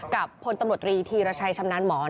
พลตำรวจตรีธีรชัยชำนาญหมอน